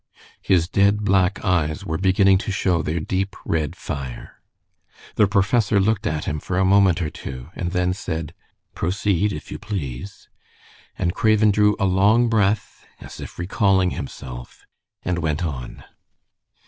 His dead, black eyes were beginning to show their deep, red fire. The professor looked at him for a moment or two, and then said, "Proceed, if you please," and Craven drew a long breath, as if recalling himself, and went on.